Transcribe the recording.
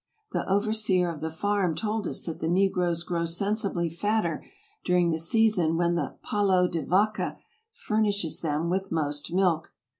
The overseer of the farm told us that the negroes grow sensibly fatter during the season when the palo de vaca furnishes them with most milk.